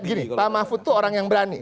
gini pak mahfud itu orang yang berani